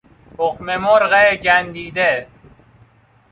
تخممرغ گندیده